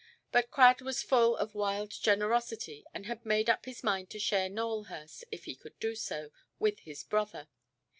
But Crad was full of wild generosity, and had made up his mind to share Nowelhurst, if he could do so, with his brother.